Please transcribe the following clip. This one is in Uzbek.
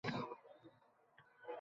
Qolib ketmangiz tunda…